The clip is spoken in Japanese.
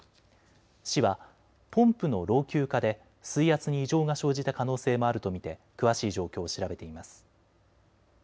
市はポンプの老朽化で水圧に異常が生じた可能性もあると見て詳しい状況を調べています。